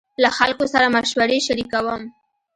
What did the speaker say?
له خلکو سره مشورې شريکوم.